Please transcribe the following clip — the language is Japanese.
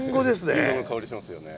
りんごの香りしますよね。